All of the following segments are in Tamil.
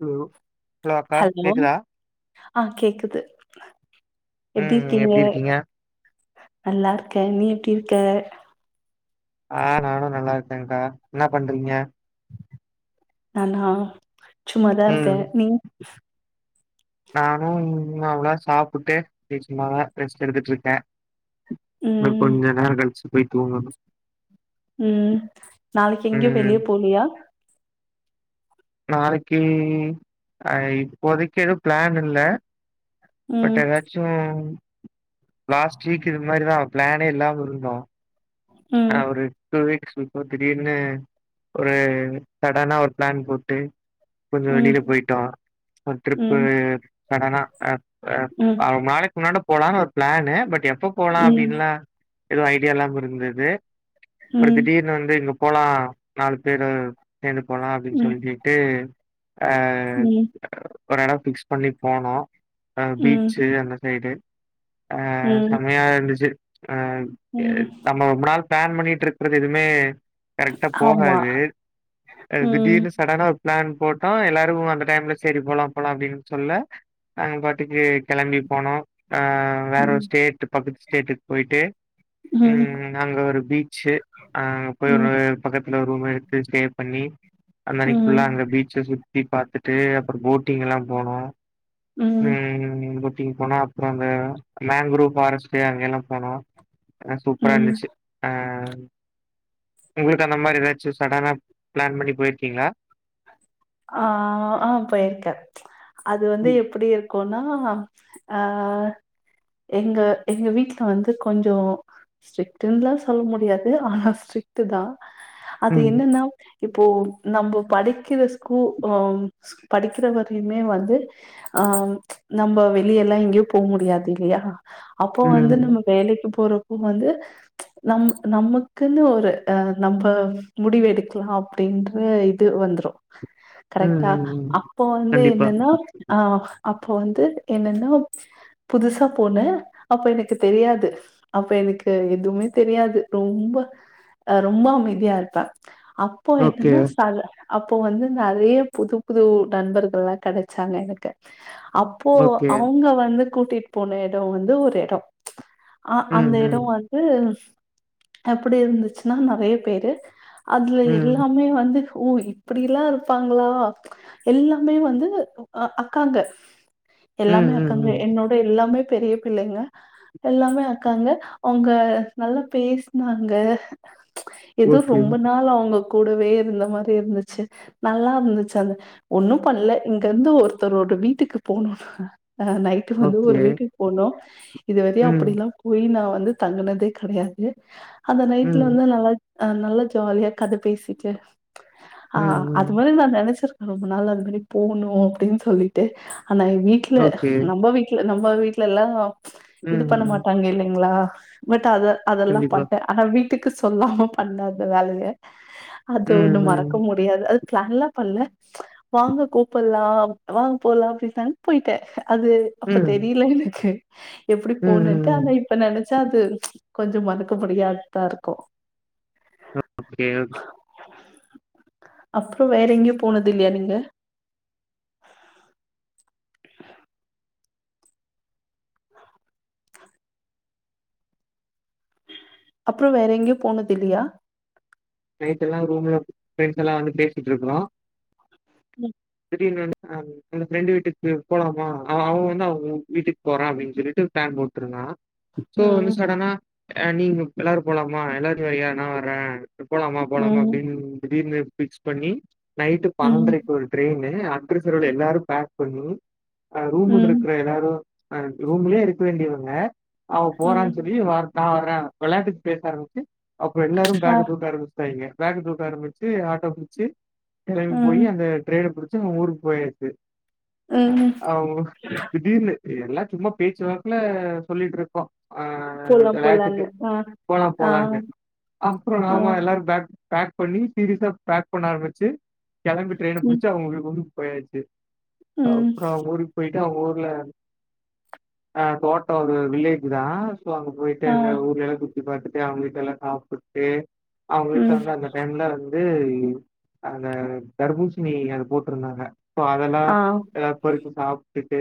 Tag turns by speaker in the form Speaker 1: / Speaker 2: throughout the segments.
Speaker 1: ஹலோ ஹலோ அக்கா கேக்குதா
Speaker 2: ஆ கேக்குது
Speaker 1: ம் எப்டி இருக்கீங்க
Speaker 2: நல்லா இருக்கே நீ எப்டி இருக்க
Speaker 1: ஆ நானு நல்லா இருக்கேக்கா என்ன பண்றீங்க
Speaker 2: நானா சும்மாதா இருக்கே நீ
Speaker 1: சும்மா அவ்ளா சாப்ட்டு அப்டியே சும்மாதா ரெஸ்ட் எடுத்துட்டு இருக்கே இன்னு
Speaker 2: ம்
Speaker 1: கொஞ்ச நேரோ கழிச்சி போய் தூங்கனு
Speaker 2: ம் நாளைக்கி எங்க வெளிய போலயா
Speaker 1: நாளைக்கி ஆ இப்போதைக்கி எதுவு பிளான் இல்ல பட்
Speaker 2: ம்
Speaker 1: ஏதாச்சு லாஸ்ட் வீக் இது மாரிதா பிளானே இல்லாம இருந்தோ
Speaker 2: ம்
Speaker 1: அவரு டூ வீக்ஸ் இப்போ திடீர்னு ஒரு சடனா ஒரு பிளான் போட்டு கொஞ்சோ
Speaker 2: ம்
Speaker 1: வெளில போயிட்டோ ஆ டிரிப்பு
Speaker 2: ம்
Speaker 1: கடனா அ அ
Speaker 2: ம்
Speaker 1: அவ [unintelligible] போலான் ஒரு ப்ளானு பட் எப் போ போலா
Speaker 2: ம்
Speaker 1: அப்டின்ல எதுவு ஐடியா இல்லாம இருந்து
Speaker 2: ம்
Speaker 1: ஒரு
Speaker 2: ம்
Speaker 1: திடீர்னு வந்து இங்க போலா நாலு பேரு சேந்து போலா அப்டின் சொல்லிட்டு ஆ
Speaker 2: ம்
Speaker 1: ஒரு எடொ ஃபிக்ஸ் பண்ணி போணோ ஆ
Speaker 2: ம்
Speaker 1: பீச்சு அந்த சைடு ஆ
Speaker 2: ம்
Speaker 1: சமையா இருந்துச்சு ஆ அ
Speaker 2: ம்
Speaker 1: நம்மோ பிளான் பண்ணிட்ருக்கறது எதுமே கரெக்ட்டா
Speaker 2: ஆமா
Speaker 1: போகாது
Speaker 2: ம்
Speaker 1: திடீர்னு சடனா ஒரு பிளான் போட்டோ எல்லாரு அந்த டைம்ல சரி போலா போலா அப்பிடின்னு சொல்ல நாங்க பாட்டுக்கு கெளம்பி போனோ ஆ வேற
Speaker 2: ம்
Speaker 1: ஒரு ஸ்டேட் பக்கத்து ஸ்டேட்டுக்கு போயிட்டு
Speaker 2: ம்
Speaker 1: நாங்க ஒரு பீச்சு அங்க போய்
Speaker 2: ம்
Speaker 1: ஒரு பக்கத்துல ரூம் எடுத்து ஸ்டே பண்ணி அந்தன்னைக்கு ஃபுல்லா
Speaker 2: ம்
Speaker 1: அங்க பீச்ச சுத் தி பாத்துட்டு அப்பற போட்டிங் எல்லா போனோ
Speaker 2: ம்
Speaker 1: ம் டிங் போனா அந்த மேங்க்ரூவ் ஃபாரெஸ்ட்டு அங்க எல்லா போனோ ஆ சூப்பரா
Speaker 2: ம்
Speaker 1: இருந்துச்சு ஆ உங்களுக்கு அந்த மாரி எதாச்சு சடனா பிளான் பண்ணி போயிருக்கிங்ளா
Speaker 2: ஆ ஆ போயிருக்க அது வந்து
Speaker 1: ம்,
Speaker 2: எப்புடி இருக்குனா ஆ ஆ எங்க எங்க வீட்ல வந்து கொஞ்ச ஸ்ட்ரிட்டுன்லா சொல்ல முடியாது ஆனா ஸ்ட்ரிட்டுதா அது
Speaker 1: ம்,
Speaker 2: என்னன்னா இப்போ நம்ப படி படிக்கிற ஸ்கூ அ படிக்கிற வரையுமே வந்து ஆ நம்ப வெளிய எல்லா எங்கயு போக முடியாது இல்லயா அப்போ வந்து
Speaker 1: ம்,
Speaker 2: நம்ப வேலைக்கு போறோ இப்ப வந்து நம் நமக்குன்னு ஒரு அ நம்ப முடிவெடுக்லா அப்டின்ற இது வந்துரு
Speaker 1: ம்,
Speaker 2: கரெக்டா
Speaker 1: ம், ம்.
Speaker 2: அப்ப வந்து
Speaker 1: கண்டிப்பா.
Speaker 2: என்னன்னா ஆ அப்ப வந்து என்னன்னா புதுசா போனே அப்ப எனக்கு தெரியாது அப்ப எனக்கு எதுவுமே தெரியாது ரொம்ப அ ரொம்ப அமைதியா இருப்ப, அப்போ
Speaker 1: ஓகே,
Speaker 2: என்னன்னா சல அப்போ வந்து நறைய புது புது நண்பர்கள்லா கெடைச்சாங்க எனக்கு அப்போ
Speaker 1: ஓகே.
Speaker 2: அவங்க வந்து கூட்டிட்டு போன எடோ வந்து ஒரு எடம் அ
Speaker 1: ம்,
Speaker 2: அந்த
Speaker 1: ம்.
Speaker 2: எடம் வந்து எப்படி இருந்துச்சுன்னா நறைய பேரு அதுல
Speaker 1: ம்.
Speaker 2: எல்லாமே வந்து ஊ வீ அப்டில்லா இருப்பாங்களா எல்லாமே வந்து அக்காங்க
Speaker 1: ம்,
Speaker 2: எல்லாமே
Speaker 1: ம்,
Speaker 2: அக்காங்க
Speaker 1: ம்.
Speaker 2: என்னோட எல்லாமே பெரிய பிள்ளைங்க எல்லாமே அக்காங்க அவங்க நல்லா பேசினாங்க ஏதோ
Speaker 1: ஓகே,
Speaker 2: ரொம்ப நாள் அவுங்க கூடவே இருந்த மாரி இருந்து ச்சு நல்லா இருந்துச்சு அந்த ஒன்னும் பண்ணல இங்க இருந்து ஒருத்தரோட வீட்டுக்கு போணோ அஹ் நைட்டு வந்து ஒரு
Speaker 1: ஓகே.
Speaker 2: வீட்டுக்கு போனோ இதுவரையும்
Speaker 1: ம்,
Speaker 2: அப்ப டிலாம் போய் நா வந்து தங்குனதே கடையாது அந்த நைட்ல
Speaker 1: ம்,
Speaker 2: வந்து நல்லா அஹ் நல்லா ஜாலியா கத பேசிட்டு
Speaker 1: ம்,
Speaker 2: ஆஹ் அது
Speaker 1: ம்.
Speaker 2: மாரி நா நெனைச்சிருக்கே ரொம்ப நாள் அது மாரி போகணு அப்படின்னு சொல்லிட்டு ஆனா வீட்ல
Speaker 1: ஓகே.
Speaker 2: நம்ம வீட்ல நம்ம வீட்டுல எல்லா
Speaker 1: ம்,
Speaker 2: இது பண்ண
Speaker 1: ம்.
Speaker 2: மாட்டாங்க இல்லைங்ளா பட் அத அதெல்லா
Speaker 1: கண்டிப்பா.
Speaker 2: பட்டே ஆனா வீ வீட்டுக்கு சொல்லாம பண்ண அந்த வேலைய அது
Speaker 1: ம்,
Speaker 2: ஒன்னு மறக்க மறக்க
Speaker 1: ம்,
Speaker 2: முடியாது அது பிளான் ல்லா பண்ல வாங்க கூப்படலா வாங்க போலா அப்படின்னாங்க போய்ட்டே அது
Speaker 1: ம்.
Speaker 2: அப்ப
Speaker 1: ம்,
Speaker 2: தெரில எனக்கு எப்படி
Speaker 1: ம்,
Speaker 2: போனும்ட்டு
Speaker 1: ம்.
Speaker 2: ஆனா இப்ப நெனைச்சா அது கொஞ்சம் மறுக்க முடியாததா இருக்கு
Speaker 1: ஓகே, ஓகே.
Speaker 2: அப்புற வேற எங்கயும் போனது இல்லையா நீங்க அப்புறம் வேற எங்கயு போனது இல்லையா
Speaker 1: நைட்டு எல்லா ரூம்ல ஃப்ரெண்ட்ஸ் எல்லா வந்து பேசிட்டு இருக்கறோ
Speaker 2: ம்
Speaker 1: திடீர்னு வந்து அந்த ஃப்ரெண்டு வீட்டுக்கு போலாமா அவ அவங்க வந்து அவங்க வீட்டுக்கு போறா அப்படின்னு சொல்லிட்டு பிளான் போட்டுட்ருந்தா சோ வந்து
Speaker 2: ம்
Speaker 1: சடனா ஆஹ் நீங்க எல்லாரும் போலாமா எல்லாரு வர்றயா நா வர்றே போலாமா போலாமா
Speaker 2: ம்
Speaker 1: அப்டின்னு திடீர்னு ஃபிக்ஸ் பண்ணி நைட்டு
Speaker 2: ம்
Speaker 1: பன்னன்டரைக்கு ஒரு அன்ரிசர்வ்டு எல்லாரு பேக் பண்ணி ஆ ரூம்
Speaker 2: ம்
Speaker 1: இருக்குற [unintelligible] அ ரூம்லயே இருக்க வேண்டியவங்க அவ
Speaker 2: ம்
Speaker 1: போறானு சொல்லி வர நா வர் ற வெளையாட்டுக்கு பேச ஆரம்பிச்சு அப்ற எல்லாரு
Speaker 2: ஆ
Speaker 1: பேக்க தூக்க ஆரம்பிச்சுட்டாய்ங்க பேக்க தூக்க ஆரம்பிச்சு ஆட்டோ புடிச்சி கெளம்பி போயி
Speaker 2: ம்
Speaker 1: அந்த ட்ரெய்ன புடிச்சு ஊருக்கு போயாச்சு
Speaker 2: ம்
Speaker 1: ஆமா திடீர்னு எல்லா சும்மா பேச்சு வாக்குல சொல்லிட்ருக்கோ ஆ
Speaker 2: போலாம்
Speaker 1: வெளாட்டுக்கு
Speaker 2: போலான்னு ஆ
Speaker 1: போலா
Speaker 2: ஆ
Speaker 1: போலானு அப்பற
Speaker 2: ஆ
Speaker 1: ஆமா எல்லாரு பேக் பேக் பண்ணி சீரிஸா பேக் பண்ண ஆரம்பிச்சு கெளம்பி டிரெயின
Speaker 2: ம்
Speaker 1: புடிச் லா ஊரு ஊருக்கு போயாச்சு
Speaker 2: ம்
Speaker 1: அப்ற ஊருக்கு போயிட் டு ஊர்ல ஆ தோட்ட ஒரு வில்லேஜ்தா சோ அங்க போயிட்டு
Speaker 2: ஆ
Speaker 1: அந்த ஊர்லெலா சுத் நிப்பாட்டு தா அவங்க வீட்ல எல்லா சாப்புட்டு அவங்க வீட்ல
Speaker 2: ம்
Speaker 1: வந்து அந்த டைம்ல து இது அந்த தர்பூசி ணி அது போட்ருந்தாங்க சோ அதெல்லா
Speaker 2: ஆ
Speaker 1: எல்லா பொரிச்சி சாப் டுட்டு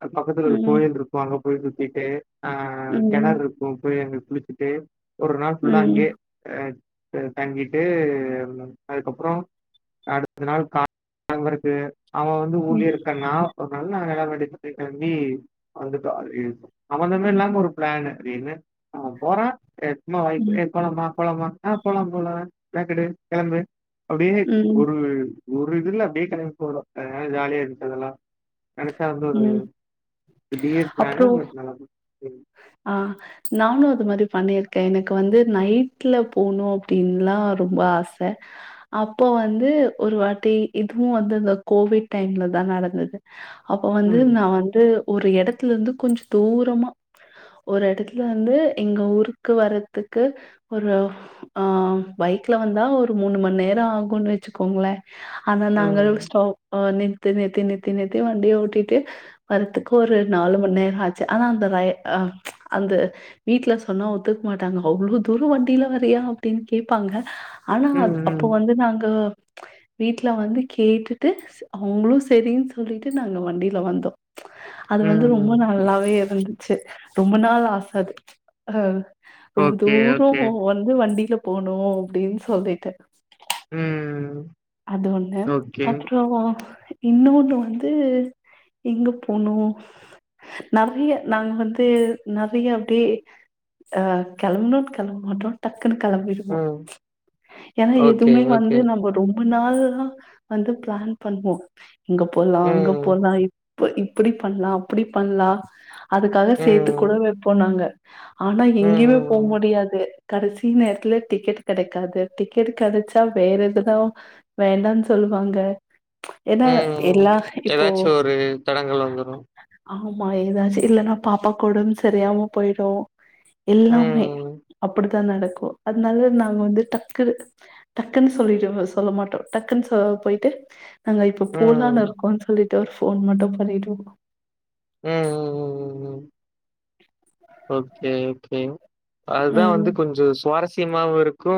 Speaker 1: அது பதுக்கத்துல ஒரு
Speaker 2: ம்
Speaker 1: கோயில் இருக்கு அங்க போய் சுத்திட்டு ஆ
Speaker 2: ம்
Speaker 1: கெணறு போ பொய் குளிச்சிட்டு ஒரு நாள்
Speaker 2: ம்
Speaker 1: ஃபுல்லா அங்யே அ தங்கிட்டு அதுக்கப்றோ அடு த்த நாள் கா [inaudible] அங்கருக்கு அவ வந்து ஊர்லே
Speaker 2: ம்
Speaker 1: இருக்கன்னா நல்லா அழகா [unintelligible] கெளம்பி வந்துட்டோ வீல்ஸ் சம்பந்தமே இல்லாம ஒரு பிளானு அது என்ன அங்க போறோ எத்ன வாய்ப்பு
Speaker 2: ம்
Speaker 1: எப்பவேனா போலாமா ஆ போலாம் போலா பேக்கெடு கெளம்பு அப்டியே
Speaker 2: ம்
Speaker 1: ஒரு ஒரு இதுல அப்டியே கிளம்பி போறப்ப ஜாலியா இருச்சு அதெல்லா நெனச்சா வந்து ஒரு
Speaker 2: ம்
Speaker 1: திடீர் பிளான் பட் நல்லா போ
Speaker 2: ஆஹ் நானு அந்த மாதிரி பண்ணிருக்கே எனக்கு வந்து நைட்ல போணு அப்டின்ல்லா ரொம்ப ஆசை அப்போ வந்து ஒரு வாட்டி இதுவு வந்து இந்த கோவிட் டைம்ல தா நடந்தது அப்ப வந்து
Speaker 1: ம்
Speaker 2: நா வந்து ஒரு எடத்துலருந்து கொஞ்சோ தூரமா ஒரு எடத்துல வந்து எங்க ஊருக்கு வர்துக்கு ஒரு ஆஹ் பைக்ல வந்தா ஒரு மூணு மண் நேரோ ஆகும்ன்னு வச்சுக்கோங்களேன் அதன நாங்கள்
Speaker 1: ம்
Speaker 2: ஸ்டாப் பண் நின் திண்ணு திண்டு திண்ணே வண்டி ஓட்டிட்டு வரதுக்கு ஒரு நாலு மணி நேரோ ஆச்சு ஆனா அந்த ரய அஹ் அந்த வீட்டுல சொன்னா ஒத்துக்க மாட்டாங்க அவ்ளோ தூரோ வண்டியில வரியா அப்டின்னு கேட்பாங்க ஆனா அ
Speaker 1: ம்
Speaker 2: அப்போ
Speaker 1: ம்
Speaker 2: வந்து நாங்க வீட்டுல வந்து கேட்டுட்டு அவுங்களும் சரின்னு சொல்லிட்டு நாங்க வண்டியில வந்தோ அது வந்து ரொம்ப
Speaker 1: ம்
Speaker 2: நல்லாவே இருந்து செரி ரொம்ப நாள் ஆச அஹ் ரொம்ப
Speaker 1: ஓகே
Speaker 2: தூரோ
Speaker 1: ஓகே
Speaker 2: வந்து வண்டியில போணூ அப்டின்னு சொல்லிட்டே
Speaker 1: உம்
Speaker 2: அது வந்து அப்புறோ இன்னொன்னு வந்து எங்க போனோ நறைய நாங்க வந்து நறைய அப்டியே அஹ் கெளம்பனுன் கெளம்பமாட்டோ டக் டக்குனு கெளம்பிடுவோ
Speaker 1: ம்
Speaker 2: ஏன்னா
Speaker 1: ஓகே
Speaker 2: எதுவுமே வந்து
Speaker 1: ஓகே
Speaker 2: நம்ப ரொம் முன்னாலு நாள் வந்து பிளான் பண்ணுவோ இங்க போலா அங்க
Speaker 1: ம்
Speaker 2: போலா இப்ப இப் இப்புடி பண்ணலா அப்புடி பண்ணலா அதுக்காக சேர்த்து கூட
Speaker 1: ம்
Speaker 2: வெப்போன்னாங்க ஆனா
Speaker 1: ம்
Speaker 2: எங்கேயுமே போக
Speaker 1: ம்
Speaker 2: முடியாது கடைசி நேரத்துல டிக்கெட் கெடைக்காது டிக்கெட் கெடைச்சா வேற எதுதா வேலைன்னு சொல்வாங்க
Speaker 1: உம் ஏதாச்சு ஒரு தடங்கல் வந்துடு
Speaker 2: ஆமா ஏதாச்சு இல்லன்னா பாப்பாக்கு ஒடம்பு சரியில்லாம போயிடு எல்லாமே
Speaker 1: ம்.
Speaker 2: அப்புடி அப்டி தா நடக்கு அதனால நாங்க வந்து டக்கு டக்குன்னு சொல்லிடுவோ சொல்ல மாட்டோ டக்குன்னு போயிட்டு நாங்க இப்ப
Speaker 1: ம்.
Speaker 2: போலான்னு
Speaker 1: ம்.
Speaker 2: இருக்கோ சொல்லிட் ட்டு ஒரு ஃபோன் மட்டு பண்ணிட்டு
Speaker 1: ம், ம், ம், ம், ம் ஓகே ஓகே அதுதா வந்து
Speaker 2: ம்.
Speaker 1: கொஞ்சோ சுவாரஸ் ஸியமாவு இருக்கு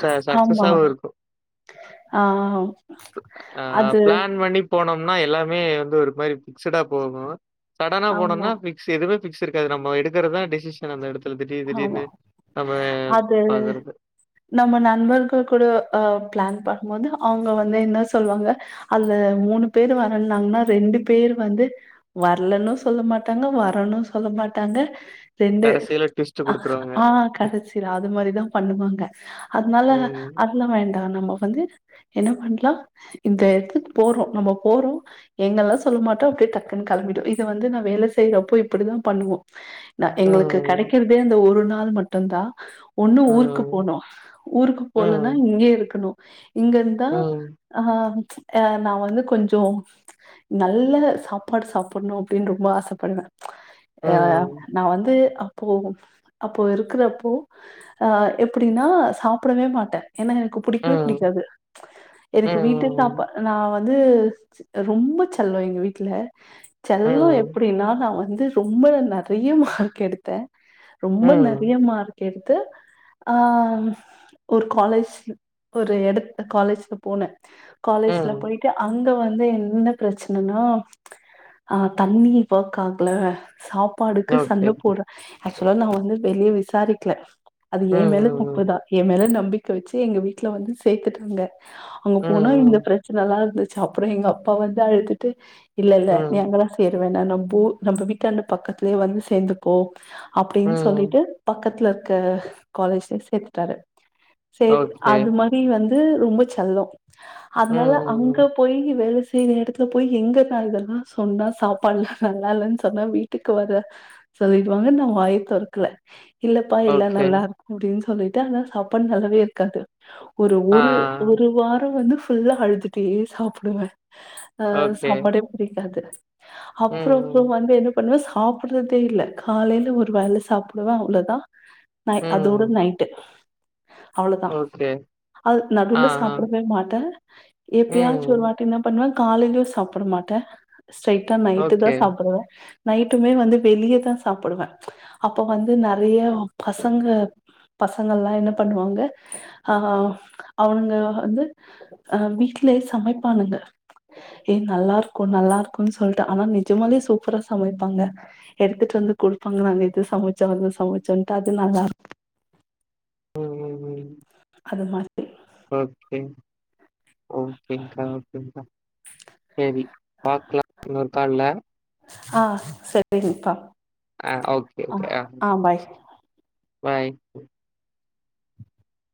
Speaker 1: ச
Speaker 2: ஆமா.
Speaker 1: சக்சஸாவு இருக்கு
Speaker 2: ஆ
Speaker 1: அ
Speaker 2: அது
Speaker 1: பிளான் பண்ணி போனம்னா எல்லாமே வந்து ஒரு மாரி பிக்ஸடா போகு சடனா
Speaker 2: ஆமா,
Speaker 1: போனம்னா ஃபிக்ஸ் எதுவு இருக்காது நம்ம எடுக்கறதா டிசிஷன் அந்த எடத்
Speaker 2: ஆமா அது
Speaker 1: பாக்குறது.
Speaker 2: நம்ம நண்பர்கள் கூட அ ப்ளான் பண் வந்து அவுங்க வந்து என்ன சொல்வாங்க அந்த மூணு பேரு வர்றனாங்னா ரெண்டு பேரு வந்து வர்லன்னு சொல்ல மாட்டாங்க வர்றணு சொல்ல மாட்டாங்க ரெண்டு
Speaker 1: கடசில ட்விஸ்ட் குடுத்துருவாங்க.
Speaker 2: ஆ கடசில அது மாரிதா பண்ணுவாங்க அதனால
Speaker 1: ம்.
Speaker 2: அதல்லா வேண்டா நம்ம வந் து என்ன பண்லா இந்த எடத்துக் போறோ நம்ம போறோ எங்கல்லா சொல்ல மாட்டோ அப்டியே டக்குன் கெளம்பிடு இத வந்து நா வேல செய்றப்போ இப்பிடிதா பண்ணுவோ ந எங்ளுக்கு
Speaker 1: ம்.
Speaker 2: கெடைக் கறதே அந்த ஒரு நாள் மட்டுந்தா ஒண்ணு ஊருக்கு
Speaker 1: ம்.
Speaker 2: போனு ஊருக்கு போலன்னா
Speaker 1: ம்.
Speaker 2: இங்கயே இருக்கணு இங்கருந்தா
Speaker 1: ம்.
Speaker 2: ஆ அ நா வந்து கொஞ்சோ நல்ல சாப்பாடு சாப்புடணு அப்டின் ரொம்ப ஆசப்படுவ அ
Speaker 1: ம்.
Speaker 2: நா வந்து அ போ அப்போ இருக்றப்போ ஆ எப்டின்னா சாப்டவே மாட்ட ஏன்னா எனக்கு புடிக்வே
Speaker 1: ம்.
Speaker 2: புடிக்காது எனக்கு வீட்டு சாப்பா
Speaker 1: ம்.
Speaker 2: நா வந்‌ து ரொம்ப செல்லோ எங்க வீட்ல
Speaker 1: ம்.
Speaker 2: செல்லோ
Speaker 1: ம்.
Speaker 2: எப்டின்னா நா வந்து ரொம்ப நறைய மார்க் எடுத்தே ரொம்ப நறைய
Speaker 1: ம்.
Speaker 2: மார் க் எடுத்து ஆ ஒரு காலேஜ் ஒரு எடத் காலேஜ்க்கு போனே காலேஜ்ல
Speaker 1: ம்.
Speaker 2: போய்ட்டு அங் க வந்து என்ன பிரச்சனனா அ தண்ணி ஒர்க் ஆக்ல சாப் பாடுக்கு
Speaker 1: ஓகே.
Speaker 2: சண்ட போட்ற ஆக்சுவலா நா வந்து வெளியே விசாரிக்கல அது எ மேல
Speaker 1: ம். ம்.
Speaker 2: தப்புதா எ மேல நம் பிக்க வச்சி எங்க வீட்ல வந்து சேத்துட்டாங்க அங்க போனா இந்த
Speaker 1: ம்.
Speaker 2: பிரச்சனலா இருந்து ச்சு அப்றோ எங்க அப்பா வந்து அழுத்துட்டு இல்ல இல்ல
Speaker 1: ம். ம்.
Speaker 2: நீ
Speaker 1: ம்.
Speaker 2: அங்கதா சேர் க்க வேண்டா நம்ப ஊ நம்ம வீட்டாண்ட பக்கத்லயே வந்து சேந்துப்போ அப்டின்னு
Speaker 1: ம்.
Speaker 2: சொல்லிட்டு பக்கத்துல க காலேஜ்ல சேத்துட்டாரு சேத்
Speaker 1: ஓகே.
Speaker 2: அது மாரி வந்து ரொம்ப செல்லோ அதனால அங்க
Speaker 1: ம்.
Speaker 2: போயி வேல செய் செய்ற எடத்துல போய் எங்க நா இதெல்லா சொன்னா சாப்பாட்லா நல்லா இல்லனு சொன்னா வீட்டுக்கு வர சொல்லிடுவாங்கனு நா வாய் தொறக்கல இல்லப்பா
Speaker 1: ம். ம்.
Speaker 2: இல்ல
Speaker 1: ஓகே.
Speaker 2: நல்லாருக்கு அப்டின்னு சொ சொல்லிட்டு ஆனா சாப்பாடு நல்லாவே இருக்காது ஒரு
Speaker 1: ஆ,
Speaker 2: ஒரு ஒரு வாரோ வந்து ஃபுல்லா அழுதுட்டே சாப்புடுவே
Speaker 1: ஆ.
Speaker 2: அ
Speaker 1: ஓகே.
Speaker 2: சாப்பாடே புடிக்காது
Speaker 1: ம்.
Speaker 2: அப்றோ அப்றோ
Speaker 1: ம்.
Speaker 2: வந்து என்ன பண்ணுவ சாப்புட்றதே இல்ல காலைல ஒரு வேல சாப்புடுவ அவ்ளோதா நை அதோட
Speaker 1: ம்.
Speaker 2: நைட்டு அவ்வளோதா
Speaker 1: ஓகே.
Speaker 2: அது
Speaker 1: ஆ,
Speaker 2: நடுல
Speaker 1: ஆ.
Speaker 2: சாப்டவே மாட்டே எப்பயாச்சு ஒரு
Speaker 1: ம்.
Speaker 2: வாட்டி என்ன பண்ணுவ காலைலயு சாப்ட மாட்ட ஸ்டெயிட்டா நைட்டுதா
Speaker 1: ஓகே.
Speaker 2: சாப்புடுவே நைட்டுமே வந்து வெளியதா சாப்புடுவ அப்ப வந்து நெறைய பசங்க பசங்கலா என்ன பண்ணுவாங்க அ அவனுங்க வந்து அ வீட்லயே சமைப்பானுங்க ஏ நல்லா இருக்கு நல்லா இருக்குன்னு சொல்ட்டு ஆனா நிஜமாலே சூப்பரா சமைப்பாங்க எடுத்துட்டு வந்து குடு பாங்க நாங்க இது சமைச்சே அது சமச்சோன்ட்டு அது நல்லார்க்
Speaker 1: ம். ம். ம்.
Speaker 2: அது மாதிரி
Speaker 1: ஓகே ஓகேங்கா, ஓகேங்கா, சேரி பாக்லா இன்னொரு கால்ல
Speaker 2: ஆ, சரிங்ப்பா
Speaker 1: ஆ ஓகே, ஓகே.
Speaker 2: ஆ பாய்
Speaker 1: பாய்